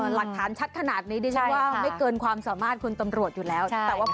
หลักฐานชัดขนาดนี้ดิฉันว่าไม่เกินความสามารถคุณตำรวจอยู่แล้ว